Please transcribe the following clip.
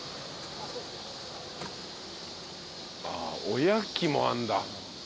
おやきもあんだ。